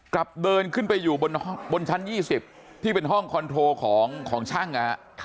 กลับเดินขึ้นไปอยู่บนชั้น๒๐ที่เป็นห้องคอนโทรของช่างนะฮะ